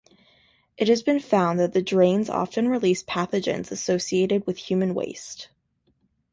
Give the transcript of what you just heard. It has been found that the drains often release pathogens associated with human waste.